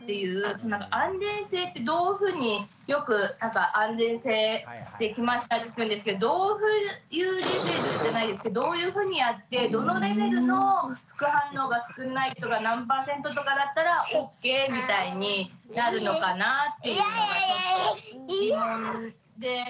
その安全性ってどういうふうによく安全性できましたって聞くんですけどどういうレベルじゃないですけどどういうふうにやってどのレベルの副反応が少ない人が何パーセントとかだったらオッケーみたいになるのかなっていうのがちょっと疑問で。